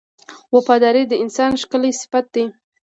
• وفاداري د انسان ښکلی صفت دی.